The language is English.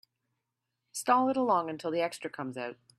Stall it along until the extra comes out.